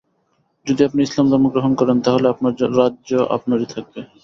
যদি আপনি ইসলাম ধর্ম গ্রহণ করেন তাহলে আপনার রাজ্য আপনারই থাকবে।